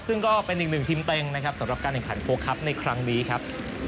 ซึ่งก็เป็นอีก๑ทีมเต็มนะครับสำหรับการเอกันโครคครับในครั้งนี้ครับ